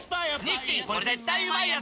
「日清これ絶対うまいやつ」